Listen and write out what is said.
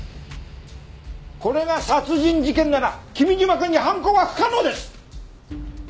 これが殺人事件なら君嶋くんに犯行は不可能です！